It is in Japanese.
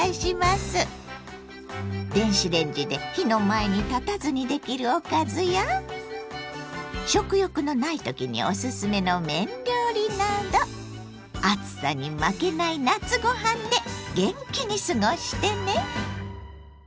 電子レンジで火の前に立たずにできるおかずや食欲のない時におすすめの麺料理など暑さに負けない夏ご飯で元気に過ごしてね！